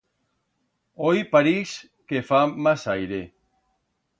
Hoi parix que fa mas aire.